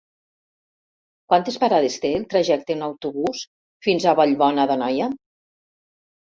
Quantes parades té el trajecte en autobús fins a Vallbona d'Anoia?